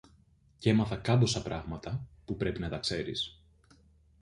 Κι έμαθα κάμποσα πράγματα που πρέπει να τα ξέρεις.